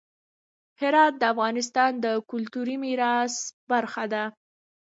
هرات د افغانستان د کلتوري میراث برخه ده.